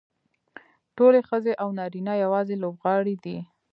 ټولې ښځې او نارینه یوازې لوبغاړي دي.